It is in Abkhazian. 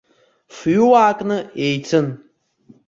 Фҩыуаакны иеицын.